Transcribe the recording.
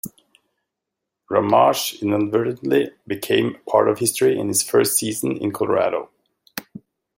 Ramage inadvertently became a part of history in his first season in Colorado.